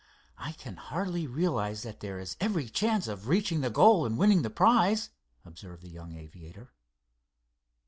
"I can hardly realize that there is every chance of reaching the goal and winning the prize," observed the young aviator.